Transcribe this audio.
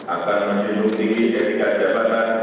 akan menjunjung tinggi ketika jabatan